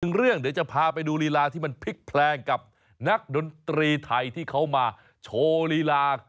เรื่องเดี๋ยวจะพาไปดูลีลาที่มันพลิกแพลงกับนักดนตรีไทยที่เขามาโชว์ลีลา